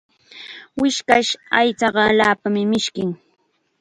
Wishka aychaqa allaapam mishkin.